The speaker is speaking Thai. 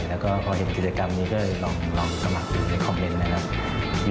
แล้วก็พอเห็นกิจกรรมนี้ก็เลยลองสมัครดูในคอมเมนต์นะครับ